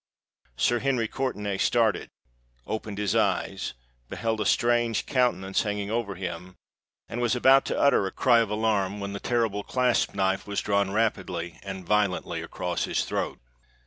Sir Henry Courtenay started—opened his eyes—beheld a strange countenance hanging over him—and was about to utter a cry of alarm, when the terrible clasp knife was drawn rapidly and violently across his throat.